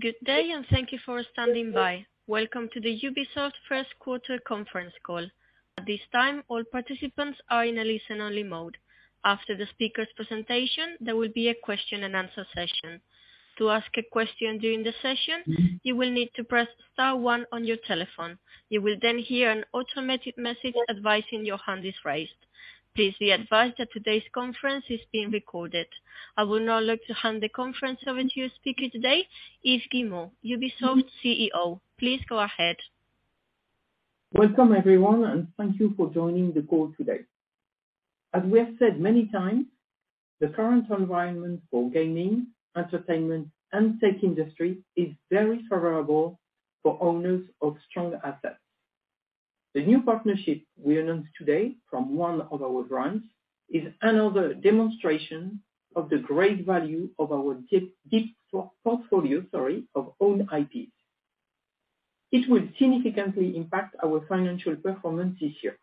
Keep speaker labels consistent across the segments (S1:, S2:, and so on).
S1: Good day and thank you for standing by. Welcome to the Ubisoft first quarter conference call. At this time, all participants are in a listen-only mode. After the speaker's presentation, there will be a question and answer session. To ask a question during the session, you will need to press star one on your telephone. You will then hear an automatic message advising your hand is raised. Please be advised that today's conference is being recorded. I would now like to hand the conference over to your speaker today, Yves Guillemot, Ubisoft CEO. Please go ahead.
S2: Welcome everyone, and thank you for joining the call today. As we have said many times, the current environment for gaming, entertainment, and tech industry is very favorable for owners of strong assets. The new partnership we announced today from one of our brands is another demonstration of the great value of our deep portfolio of own IPs. It will significantly impact our financial performance this year.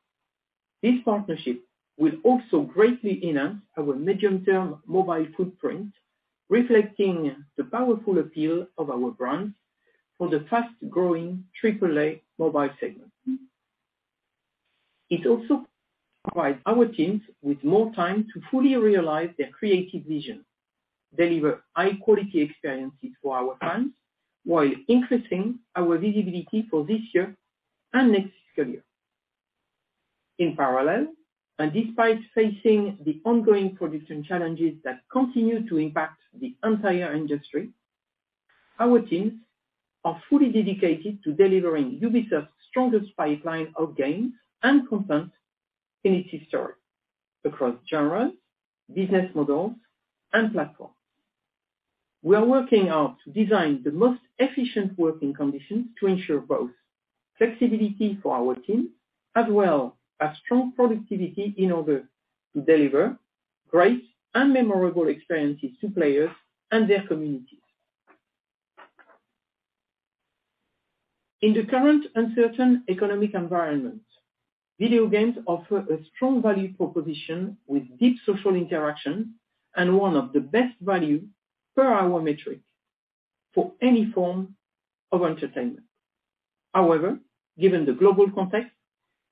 S2: This partnership will also greatly enhance our medium-term mobile footprint, reflecting the powerful appeal of our brands for the fast-growing AAA mobile segment. It also provides our teams with more time to fully realize their creative vision, deliver high quality experiences for our fans, while increasing our visibility for this year and next fiscal year. In parallel, and despite facing the ongoing production challenges that continue to impact the entire industry, our teams are fully dedicated to delivering Ubisoft's strongest pipeline of games and content in its history across genres, business models, and platforms. We are working hard to design the most efficient working conditions to ensure both flexibility for our team as well as strong productivity in order to deliver great and memorable experiences to players and their communities. In the current uncertain economic environment, video games offer a strong value proposition with deep social interaction and one of the best value per hour metric for any form of entertainment. However, given the global context,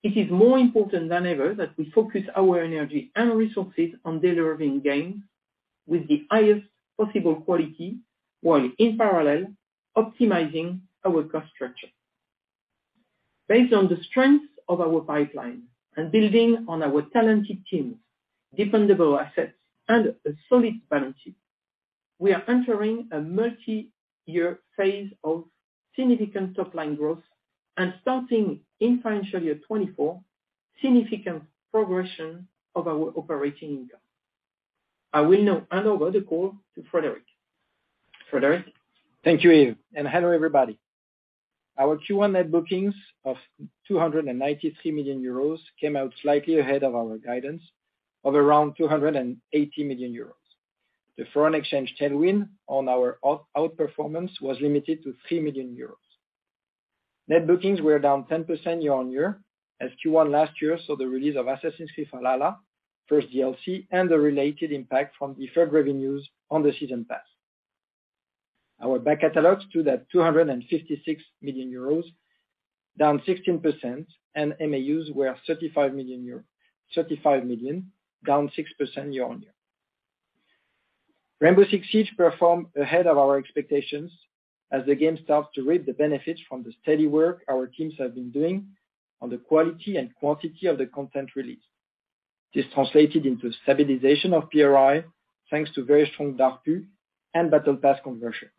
S2: it is more important than ever that we focus our energy and resources on delivering games with the highest possible quality while in parallel optimizing our cost structure. Based on the strength of our pipeline and building on our talented teams, dependable assets, and a solid balance sheet, we are entering a multi-year phase of significant top-line growth and starting in financial year 2024, significant progression of our operating income. I will now hand over the call to Frédérick. Frédérick?
S3: Thank you, Yves, and hello everybody. Our Q1 net bookings of 293 million euros came out slightly ahead of our guidance of around 280 million euros. The foreign exchange tailwind on our outperformance was limited to 3 million euros. Net bookings were down 10% YoY, as Q1 last year saw the release of Assassin's Creed Valhalla, first DLC, and the related impact from deferred revenues on the season pass. Our back catalogs stood at 256 million euros, down 16%, and MAUs were 35 million, down 6% YoY. Rainbow Six Siege performed ahead of our expectations as the game starts to reap the benefits from the steady work our teams have been doing on the quality and quantity of the content released. This translated into stabilization of PRI, thanks to very strong DARPU and Battle Pass conversion.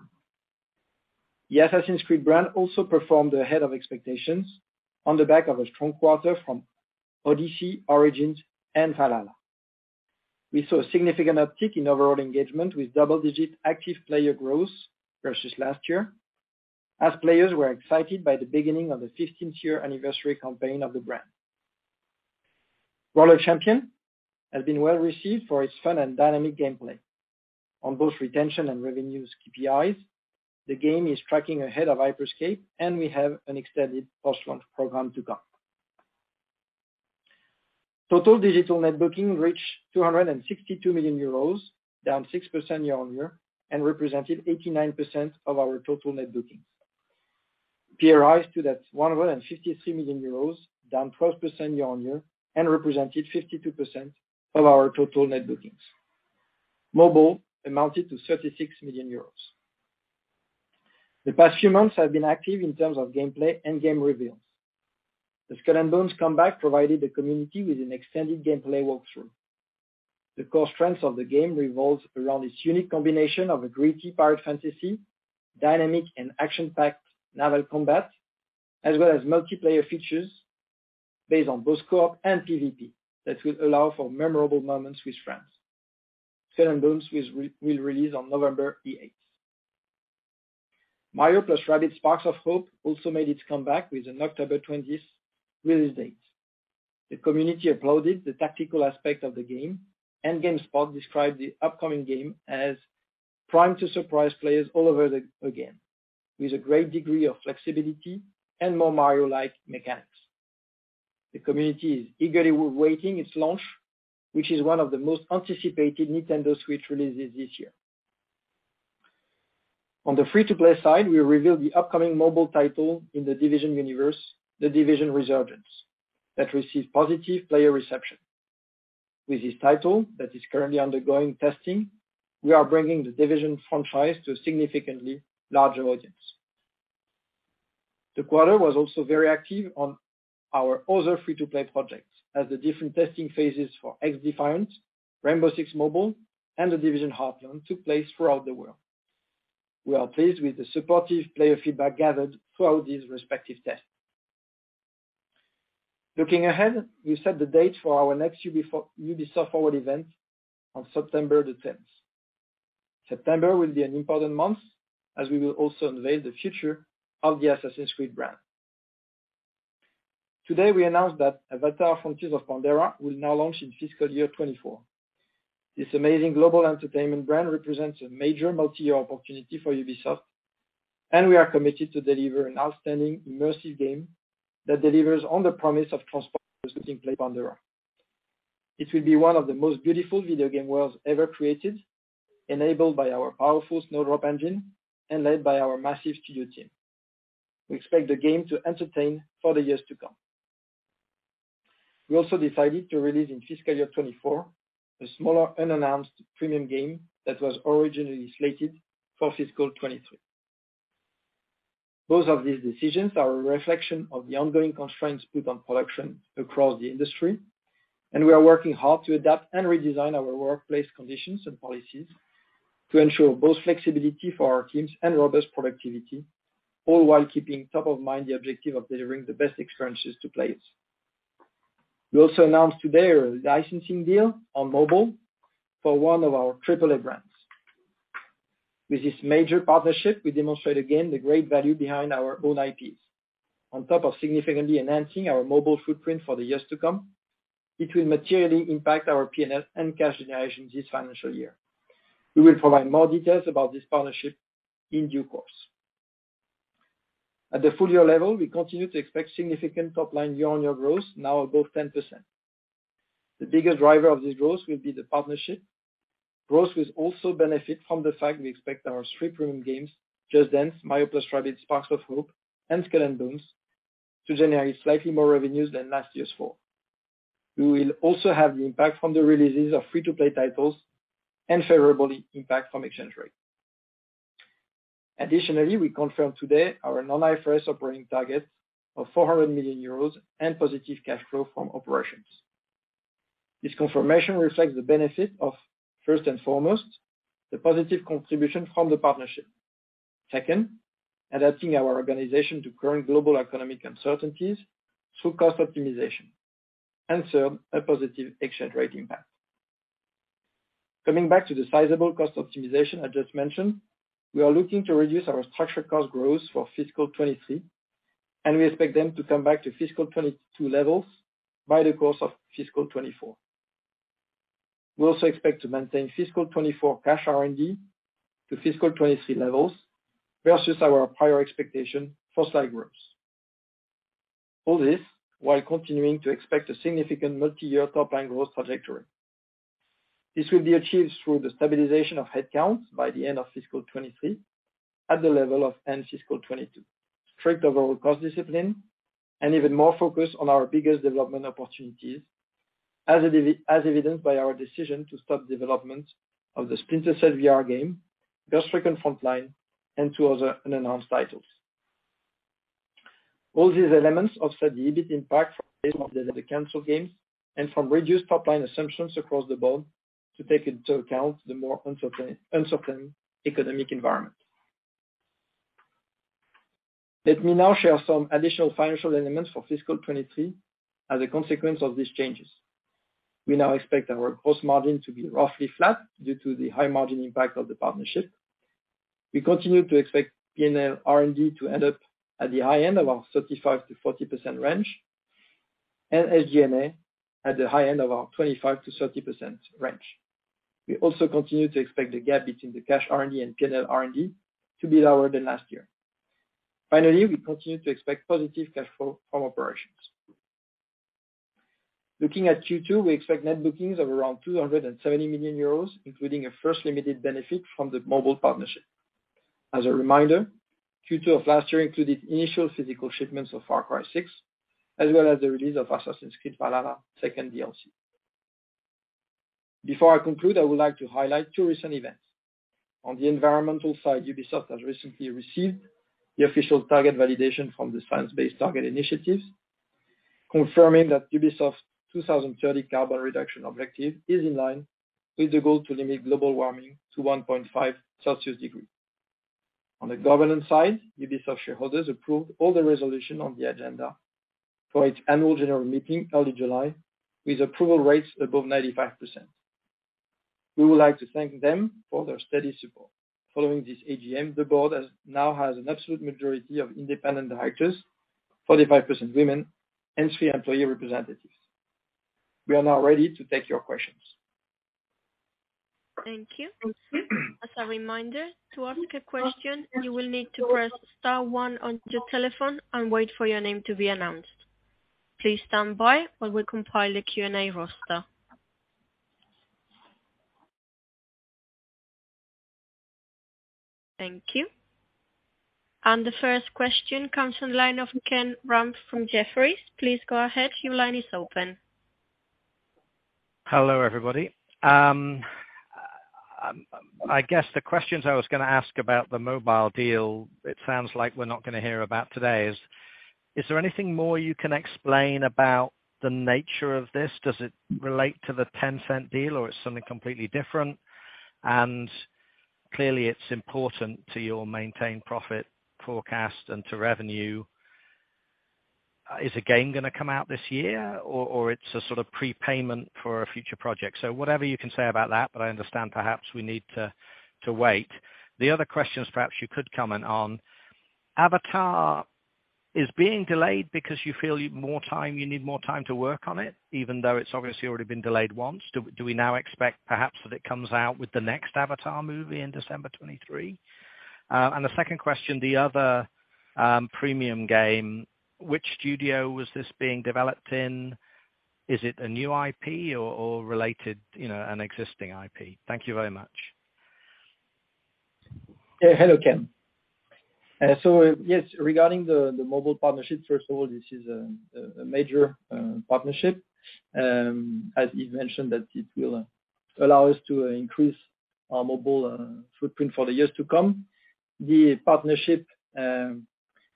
S3: The Assassin's Creed brand also performed ahead of expectations on the back of a strong quarter from Odyssey, Origins, and Valhalla. We saw a significant uptick in overall engagement with double-digit active player growth versus last year, as players were excited by the beginning of the fifteenth year anniversary campaign of the brand. Roller Champions has been well received for its fun and dynamic gameplay. On both retention and revenues KPIs, the game is tracking ahead of Hyper Scape, and we have an extended post-launch program to come. Total digital net booking reached 262 million euros, down 6% YoY, and represented 89% of our total net bookings. PRIs stood at 153 million euros, down 12% YoY, and represented 52% of our total net bookings. Mobile amounted to 36 million euros. The past few months have been active in terms of gameplay and game reveals. The Skull and Bones comeback provided the community with an extended gameplay walkthrough. The core strengths of the game revolves around its unique combination of a gritty pirate fantasy, dynamic and action-packed naval combat, as well as multiplayer features based on both co-op and PVP that will allow for memorable moments with friends. Skull and Bones will release on November 8. Mario + Rabbids Sparks of Hope also made its comeback with an October 20 release date. The community applauded the tactical aspect of the game, and GameSpot described the upcoming game as primed to surprise players all over again, with a great degree of flexibility and more Mario-like mechanics. The community is eagerly waiting its launch, which is one of the most anticipated Nintendo Switch releases this year. On the free-to-play side, we revealed the upcoming mobile title in the Division universe, The Division Resurgence, that received positive player reception. With this title that is currently undergoing testing, we are bringing the Division franchise to a significantly larger audience. The quarter was also very active on our other free-to-play projects as the different testing phases for XDefiant, Rainbow Six Mobile, and The Division Heartland took place throughout the world. We are pleased with the supportive player feedback gathered throughout these respective tests. Looking ahead, we set the date for our next Ubisoft Forward event on September 10th. September will be an important month as we will also unveil the future of the Assassin's Creed brand. Today, we announced that Avatar: Frontiers of Pandora will now launch in fiscal year 2024. This amazing global entertainment brand represents a major multi-year opportunity for Ubisoft, and we are committed to deliver an outstanding immersive game that delivers on the promise of transporting players to Pandora. It will be one of the most beautiful video game worlds ever created, enabled by our powerful Snowdrop engine and led by our massive studio team. We expect the game to entertain for the years to come. We also decided to release in fiscal year 2024 a smaller unannounced premium game that was originally slated for fiscal 2023. Both of these decisions are a reflection of the ongoing constraints put on production across the industry, and we are working hard to adapt and redesign our workplace conditions and policies to ensure both flexibility for our teams and robust productivity, all while keeping top of mind the objective of delivering the best experiences to players. We also announced today a licensing deal on mobile for one of our AAA brands. With this major partnership, we demonstrate again the great value behind our own IPs. On top of significantly enhancing our mobile footprint for the years to come, it will materially impact our P&L and cash generation this financial year. We will provide more details about this partnership in due course. At the full year level, we continue to expect significant top-line YoY growth now above 10%. The biggest driver of this growth will be the partnership. Growth will also benefit from the fact we expect our three premium games, Just Dance, Mario + Rabbids Sparks of Hope, and Skull and Bones, to generate slightly more revenues than last year's fall. We will also have the impact from the releases of free-to-play titles and favorably impact from exchange rate. Additionally, we confirm today our non-IFRS operating targets of 400 million euros and positive cash flow from operations. This confirmation reflects the benefit of, first and foremost, the positive contribution from the partnership. Second, adapting our organization to current global economic uncertainties through cost optimization. Third, a positive exchange rate impact. Coming back to the sizable cost optimization I just mentioned, we are looking to reduce our structural cost growth for fiscal 2023, and we expect them to come back to fiscal 2022 levels by the course of fiscal 2024. We also expect to maintain fiscal 2024 cash R&D to fiscal 2023 levels versus our prior expectation for slight growth. All this while continuing to expect a significant multi-year top-line growth trajectory. This will be achieved through the stabilization of headcounts by the end of fiscal 2023 at the level of end fiscal 2022. Strict overall cost discipline and even more focus on our biggest development opportunities, as evidenced by our decision to stop development of the Splinter Cell VR game, Ghost Recon Frontline, and two other unannounced titles. All these elements offset the EBIT impact from the canceled games and from reduced top-line assumptions across the board to take into account the more uncertain economic environment. Let me now share some additional financial elements for fiscal 2023 as a consequence of these changes. We now expect our gross margin to be roughly flat due to the high margin impact of the partnership. We continue to expect P&L R&D to end up at the high end of our 35%-40% range and SG&A at the high end of our 25%-30% range. We also continue to expect the gap between the cash R&D and P&L R&D to be lower than last year. Finally, we continue to expect positive cash flow from operations. Looking at Q2, we expect net bookings of around 270 million euros, including a first limited benefit from the mobile partnership. As a reminder, Q2 of last year included initial physical shipments of Far Cry 6, as well as the release of Assassin's Creed Valhalla second DLC. Before I conclude, I would like to highlight two recent events. On the environmental side, Ubisoft has recently received the official target validation from the Science-Based Targets initiative, confirming that Ubisoft's 2030 carbon reduction objective is in line with the goal to limit global warming to 1.5 degrees Celsius. On the governance side, Ubisoft shareholders approved all the resolution on the agenda for its annual general meeting early July with approval rates above 95%. We would like to thank them for their steady support. Following this AGM, the board now has an absolute majority of independent directors, 45% women, and three employee representatives. We are now ready to take your questions.
S1: Thank you. As a reminder, to ask a question, you will need to press star one on your telephone and wait for your name to be announced. Please stand by while we compile a Q&A roster. Thank you. The first question comes from the line of Ken Rumph from Jefferies. Please go ahead. Your line is open.
S4: Hello, everybody. I guess the questions I was gonna ask about the mobile deal, it sounds like we're not gonna hear about today. Is there anything more you can explain about the nature of this? Does it relate to the Tencent deal or it's something completely different? Clearly it's important to your maintained profit forecast and to revenue. Is a game gonna come out this year or it's a sort of prepayment for a future project? Whatever you can say about that, but I understand perhaps we need to wait. The other questions perhaps you could comment on. Avatar is being delayed because you feel you need more time to work on it, even though it's obviously already been delayed once. Do we now expect perhaps that it comes out with the next Avatar movie in December 2023? The second question, the other premium game, which studio was this being developed in? Is it a new IP or related, you know, an existing IP? Thank you very much.
S3: Hello, Ken. Yes, regarding the mobile partnership, first of all, this is a major partnership. As you've mentioned, that it will allow us to increase our mobile footprint for the years to come. The partnership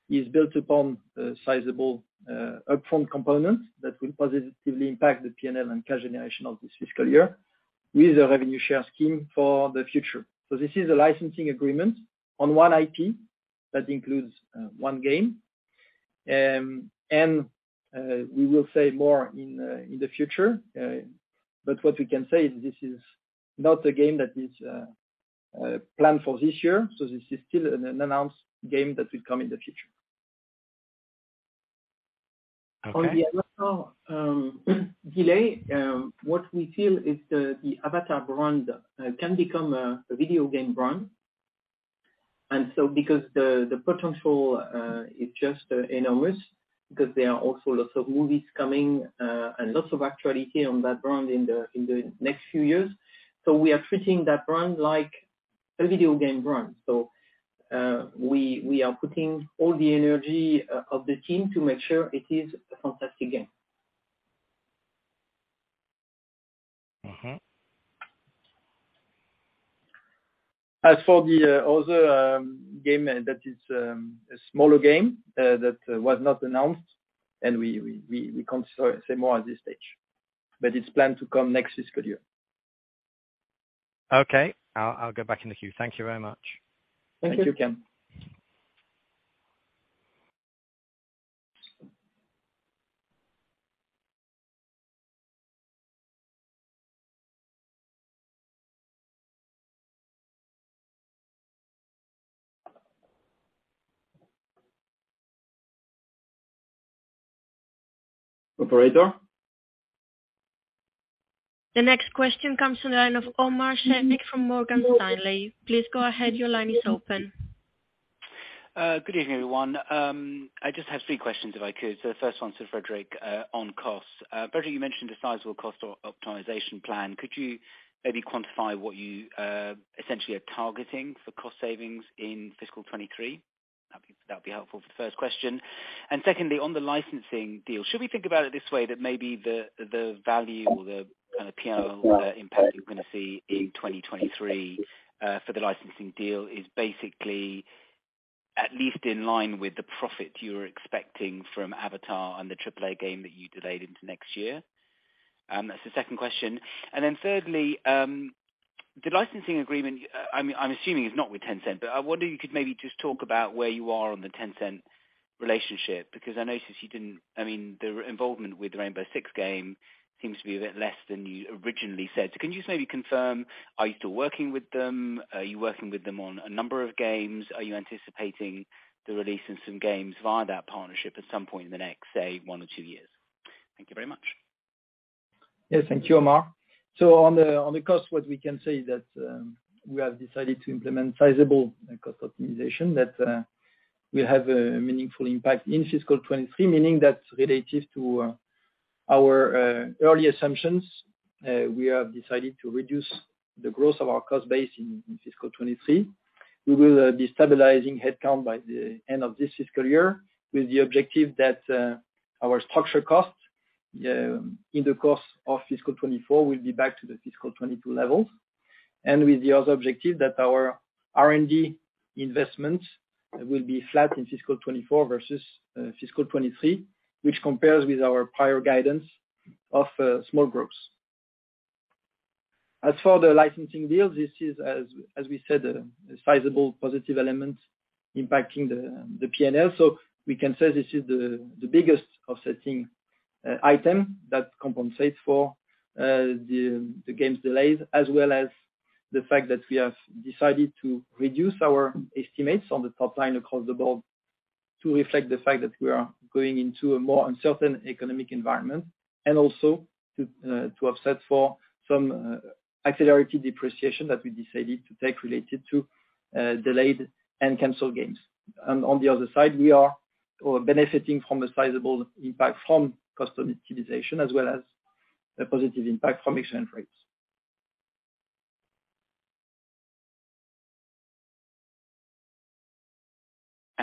S3: is built upon a sizable upfront component that will positively impact the P&L and cash generation of this fiscal year with a revenue share scheme for the future. This is a licensing agreement on one IP that includes one game. We will say more in the future. What we can say is this is not a game that is planned for this year. This is still an unannounced game that will come in the future.
S4: Okay.
S3: On the Avatar delay, what we feel is the Avatar brand can become a video game brand. Because the potential is just enormous because there are also lots of movies coming, and lots of activity on that brand in the next few years. We are treating that brand like a video game brand. We are putting all the energy of the team to make sure it is a fantastic game.
S4: Mm-hmm.
S3: As for the other game that is a smaller game that was not announced and we can't say more at this stage, but it's planned to come next fiscal year.
S4: Okay. I'll go back in the queue. Thank you very much.
S3: Thank you.
S1: Thank you, Ken.
S3: Operator?
S1: The next question comes from the line of Omar Sheikh from Morgan Stanley. Please go ahead. Your line is open.
S5: Good evening, everyone. I just have three questions, if I could. The first one to Frédérick, on costs. Frédérick, you mentioned a sizable cost optimization plan. Could you maybe quantify what you essentially are targeting for cost savings in fiscal 2023? That'd be helpful for the first question. Secondly, on the licensing deal, should we think about it this way, that maybe the value or the kind of P&L impact you're gonna see in 2023, for the licensing deal is basically at least in line with the profit you're expecting from Avatar and the AAA game that you delayed into next year? That's the second question. Thirdly, the licensing agreement, I'm assuming is not with Tencent, but I wonder if you could maybe just talk about where you are on the Tencent relationship, because I noticed you didn't. I mean, the involvement with Rainbow Six game seems to be a bit less than you originally said. Can you just maybe confirm, are you still working with them? Are you working with them on a number of games? Are you anticipating the release in some games via that partnership at some point in the next, say, one or two years? Thank you very much.
S3: Yes, thank you, Omar. On the cost, what we can say is that we have decided to implement sizable cost optimization that will have a meaningful impact in fiscal 2023, meaning that's relative to our early assumptions. We have decided to reduce the growth of our cost base in fiscal 2023. We will be stabilizing headcount by the end of this fiscal year with the objective that our structural costs in the course of fiscal 2024 will be back to the fiscal 2022 levels. With the other objective that our R&D investments will be flat in fiscal 2024 versus fiscal 2023, which compares with our prior guidance of small growths. As for the licensing deal, this is as we said, a sizable positive element impacting the P&L. We can say this is the biggest offsetting item that compensates for the games delays, as well as the fact that we have decided to reduce our estimates on the top line across the board. To reflect the fact that we are going into a more uncertain economic environment and also to offset for some accelerated depreciation that we decided to take related to delayed and canceled games. On the other side, we are benefiting from a sizable impact from customer utilization as well as a positive impact from exchange rates.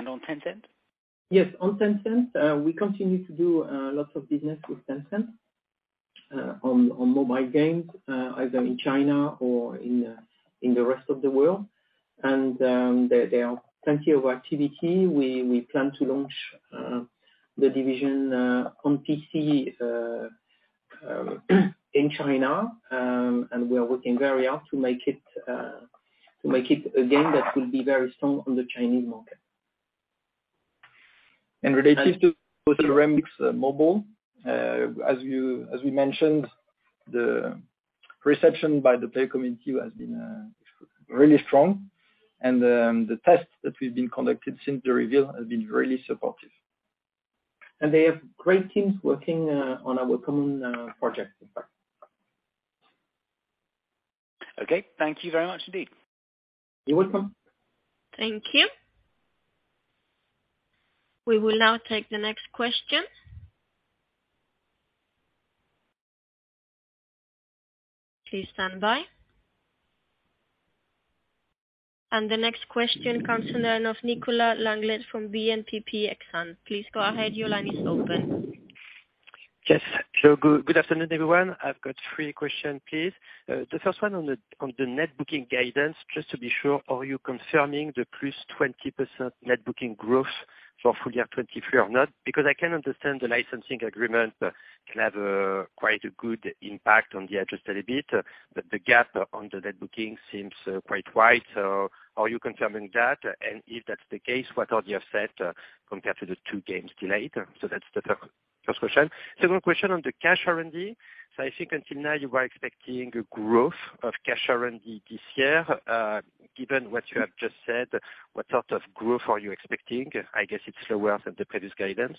S5: On Tencent?
S2: Yes. On Tencent, we continue to do lots of business with Tencent, on mobile games, either in China or in the rest of the world. There are plenty of activity. We plan to launch The Division on PC in China. We are working very hard to make it a game that will be very strong on the Chinese market. Related to Rainbow Six Mobile, as we mentioned, the reception by the player community has been really strong. The tests that we've been conducted since the reveal has been really supportive. They have great teams working on our common project.
S5: Okay. Thank you very much indeed.
S2: You're welcome.
S1: Thank you. We will now take the next question. Please stand by. The next question comes in from Nicolas Langlet from BNP Exane. Please go ahead. Your line is open.
S6: Yes. Hello. Good afternoon, everyone. I've got three questions, please. The first one on the net booking guidance. Just to be sure, are you confirming the +20% net booking growth for full year 2023 or not? Because I can understand the licensing agreement can have quite a good impact on the adjusted EBIT, but the gap on the net booking seems quite wide. Are you confirming that? And if that's the case, what are the offsets compared to the two games delayed? That's the first question. Second question on the cash R&D. I think until now you were expecting a growth of cash R&D this year. Given what you have just said, what sort of growth are you expecting? I guess it's lower than the previous guidance.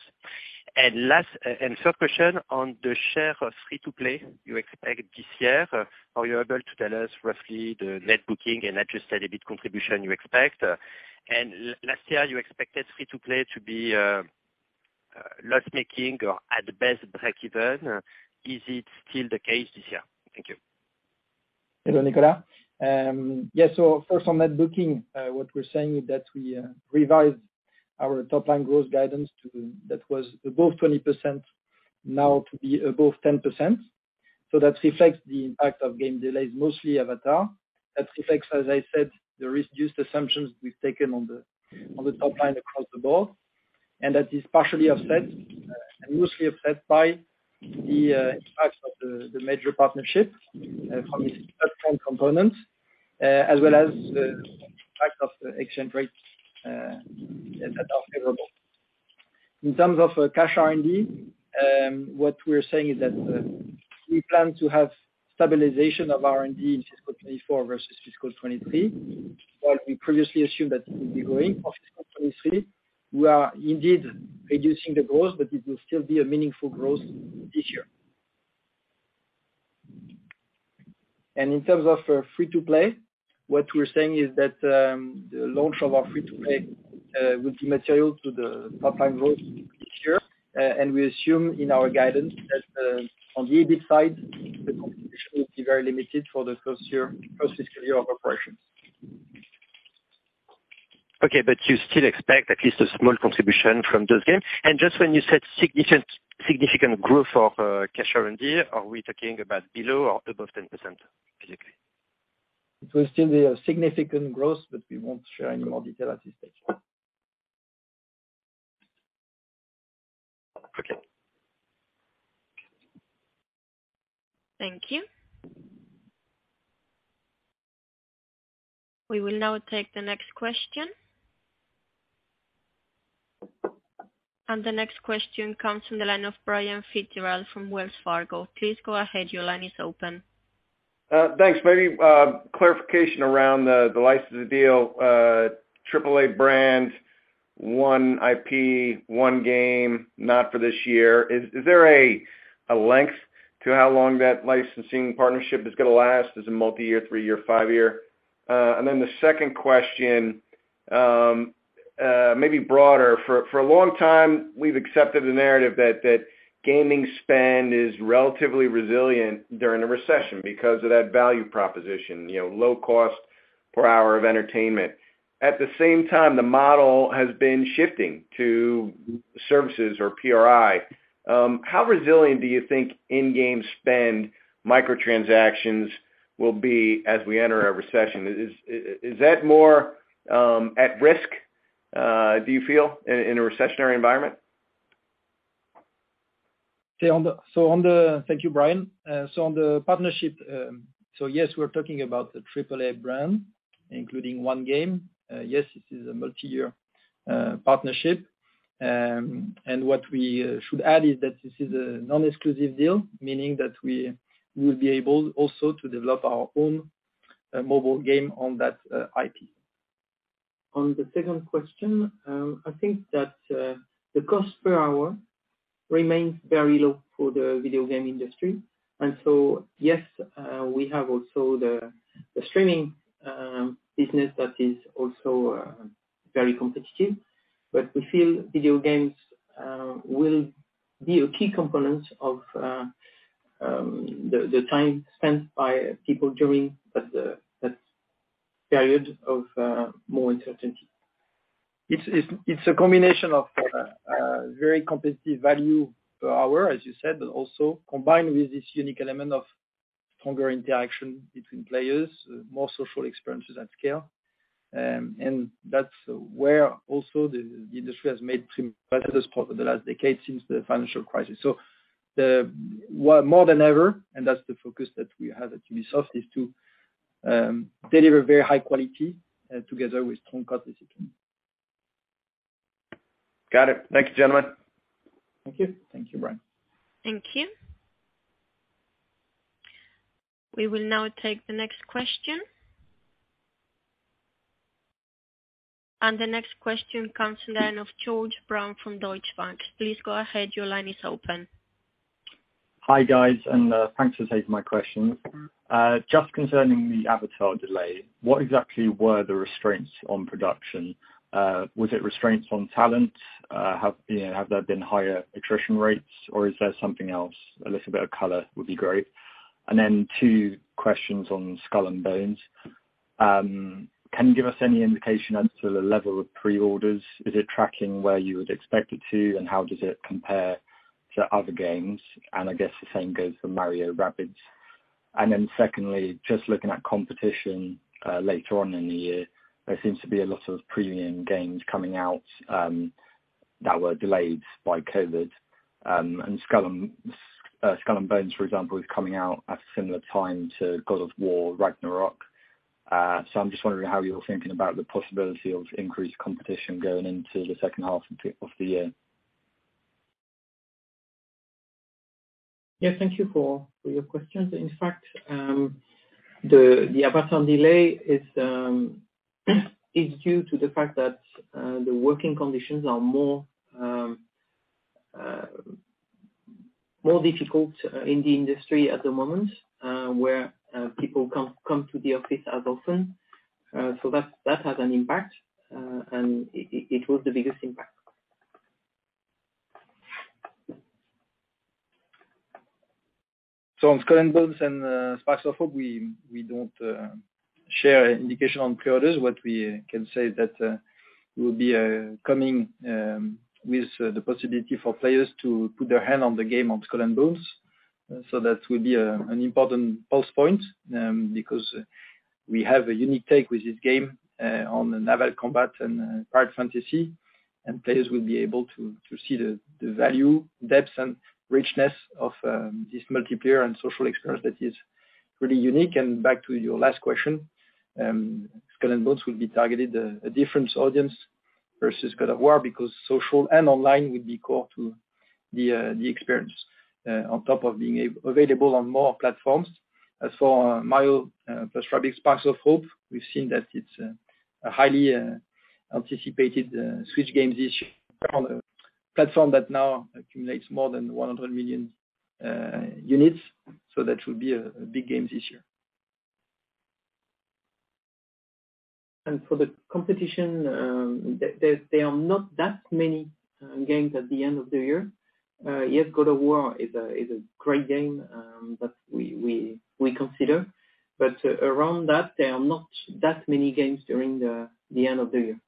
S6: Last and third question on the share of free-to-play you expect this year. Are you able to tell us roughly the net booking and adjusted EBIT contribution you expect? Last year you expected free-to-play to be loss-making or at best breakeven. Is it still the case this year? Thank you.
S3: Hello, Nicolas. First on net bookings, what we're saying is that we revised our top line growth guidance to what was above 20% now to be above 10%. That reflects the impact of game delays, mostly Avatar. That reflects, as I said, the reduced assumptions we've taken on the top line across the board, and that is partially offset and mostly offset by the impact of the major partnership from the upfront components, as well as the impact of the exchange rates that are favorable. In terms of cash R&D, what we're saying is that we plan to have stabilization of R&D in fiscal 2024 versus fiscal 2023. While we previously assumed that it will be growing of fiscal 2023, we are indeed reducing the growth, but it will still be a meaningful growth this year. In terms of free-to-play, what we're saying is that the launch of our free-to-play will be material to the top line growth this year. We assume in our guidance that on the EBIT side, the contribution will be very limited for the first year, first fiscal year of operations.
S6: Okay, you still expect at least a small contribution from those games? Just when you said significant growth of cash R&D, are we talking about below or above 10% fiscally?
S3: It will still be a significant growth, but we won't share any more detail at this stage.
S6: Okay.
S1: Thank you. We will now take the next question. The next question comes from the line of Brian Fitzgerald from Wells Fargo. Please go ahead. Your line is open.
S7: Thanks. Maybe clarification around the licensing deal, AAA brand, one IP, one game, not for this year. Is there a length to how long that licensing partnership is gonna last? Is it multi-year, three-year, five-year? The second question, maybe broader. For a long time, we've accepted the narrative that gaming spend is relatively resilient during a recession because of that value proposition, you know, low cost per hour of entertainment. At the same time, the model has been shifting to services or PRI. How resilient do you think in-game spend microtransactions will be as we enter a recession? Is that more at risk, do you feel in a recessionary environment?
S3: Thank you, Brian. On the partnership, yes, we're talking about the triple-A brand, including one game. Yes, this is a multi-year partnership. What we should add is that this is a non-exclusive deal, meaning that we will be able also to develop our own mobile game on that IP.
S2: On the second question, I think that the cost per hour remains very low for the video game industry. Yes, we have also the streaming business that is also very competitive. We feel video games will be a key component of the time spent by people during that period of more uncertainty.
S3: It's a combination of very competitive value per hour, as you said, but also combined with this unique element of stronger interaction between players, more social experiences at scale. That's where also the industry has made some progress over the last decade since the financial crisis. Well, more than ever, that's the focus that we have at Ubisoft, is to deliver very high quality together with strong cost discipline.
S7: Got it. Thanks, gentlemen.
S2: Thank you.
S3: Thank you, Brian.
S1: Thank you. We will now take the next question. The next question comes from George Brown from Deutsche Bank. Please go ahead. Your line is open.
S8: Hi, guys, thanks for taking my question. Just concerning the Avatar delay, what exactly were the constraints on production? Was it constraints on talent? You know, have there been higher attrition rates or is there something else? A little bit of color would be great. Then two questions on Skull and Bones. Can you give us any indication as to the level of pre-orders? Is it tracking where you would expect it to, and how does it compare to other games? I guess the same goes for Mario + Rabbids. Then secondly, just looking at competition, later on in the year, there seems to be a lot of premium games coming out that were delayed by COVID. Skull and Bones, for example, is coming out at a similar time to God of War Ragnarök. I'm just wondering how you're thinking about the possibility of increased competition going into the second half of the year.
S2: Yes, thank you for your questions. In fact, the Avatar delay is due to the fact that the working conditions are more difficult in the industry at the moment, where people can't come to the office as often. That has an impact. It was the biggest impact.
S3: On Skull and Bones and Sparks of Hope, we don't share indication on pre-orders. What we can say is that we'll be coming with the possibility for players to put their hand on the game on Skull and Bones. That will be an important pulse point because we have a unique take with this game on the naval combat and pirate fantasy. Players will be able to see the value, depth, and richness of this multiplayer and social experience that is pretty unique. Back to your last question, Skull and Bones will be targeted at a different audience versus God of War because social and online will be core to the experience on top of being available on more platforms. As for Mario + Rabbids Sparks of Hope, we've seen that it's a highly anticipated Switch game this year on a platform that now accumulates more than 100 million units. That will be a big game this year. For the competition, there are not that many games at the end of the year. Yes, God of War is a great game that we consider. But around that, there are not that many games during the end of the year.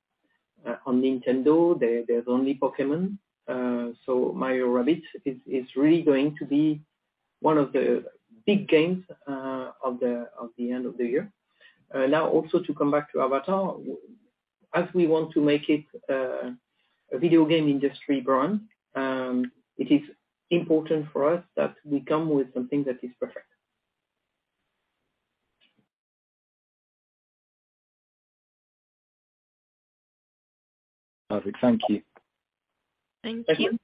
S3: On Nintendo, there's only Pokémon. Mario + Rabbids is really going to be one of the big games of the end of the year. Now also to come back to Avatar, as we want to make it a video game industry brand, it is important for us that we come with something that is perfect.
S8: Perfect. Thank you.
S1: Thank you.
S8: Thank you.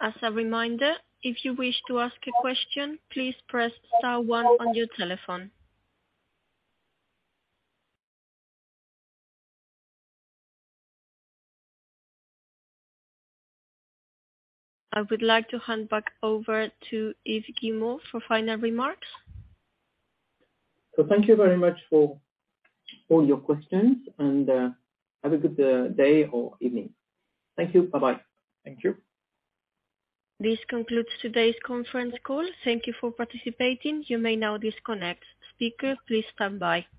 S1: As a reminder, if you wish to ask a question, please press star one on your telephone. I would like to hand back over to Yves Guillemot for final remarks.
S2: Thank you very much for your questions and have a good day or evening. Thank you. Bye-bye.
S3: Thank you.
S1: This concludes today's conference call. Thank you for participating. You may now disconnect. Speakers, please stand by.